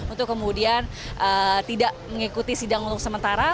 untuk kemudian tidak mengikuti sidang untuk sementara